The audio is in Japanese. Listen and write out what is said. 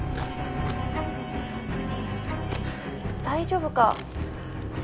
大丈夫か！？